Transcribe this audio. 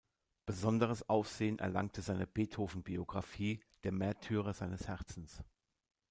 Besonderes Aufsehen erlangte seine Beethoven-Biografie "Der Märtyrer seines Herzens".